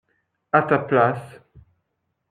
À ta place.